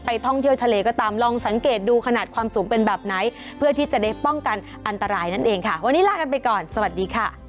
โปรดติดตามตอนต่อไป